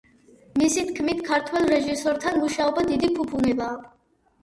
მისი თქმით ქართველ რეჟისორთან მუშაობა დიდი ფუფუნებაა.